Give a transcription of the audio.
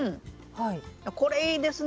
これいいですね。